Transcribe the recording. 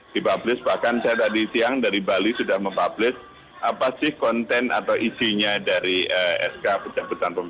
di publish bahkan saya tadi siang dari bali sudah mem publish apa sih konten atau isinya dari sk pencabutan pembekuan itu sendiri